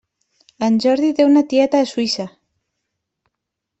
En Jordi té una tieta a Suïssa.